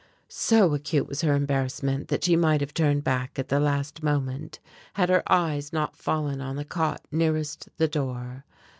So acute was her embarrassment that she might have turned back at the last moment, had her eyes not fallen on the cot nearest the door.